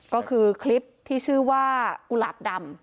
ก็คือคลิปที่ชื่อว่ากุหลาบดำ